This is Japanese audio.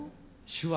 手話？